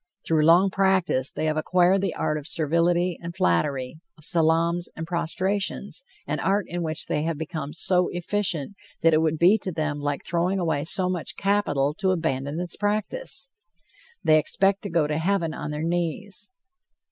Through long practice, they have acquired the art of servility and flattery, of salaams and prostrations an art in which they have become so efficient that it would be to them like throwing away so much capital to abandon its practice. They expect to go to Heaven on their knees.